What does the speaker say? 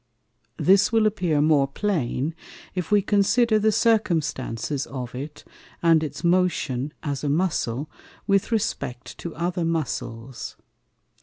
This will appear more plain, if we consider the Circumstances of it, and its Motion, as a Muscle, with respect to other Muscles.